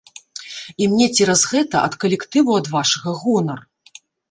І мне цераз гэта ад калектыву ад вашага гонар.